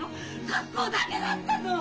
格好だけだったの！？